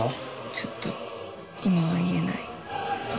ちょっと今は言えない。